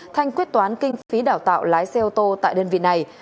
thanh quyết toán kinh phí đào tạo lái xe ô tô tại đơn vị này